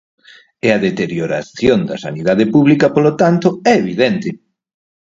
E a deterioración da sanidade pública polo tanto é evidente.